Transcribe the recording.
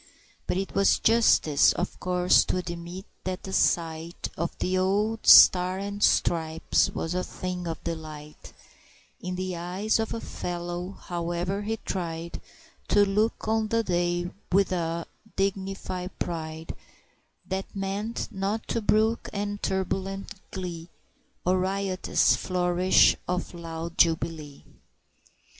But 'twas justice, of course, to admit that the sight Of the old Stars and Stripes was a thing of delight In the eyes of a fellow, however he tried To look on the day with a dignified pride That meant not to brook any turbulent glee, Or riotous flourish of loud jubilee!